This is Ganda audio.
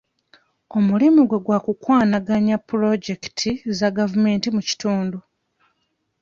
Omulimu gwe gwa kukwanaganya pulojekiti za gavumenti mu kitundu.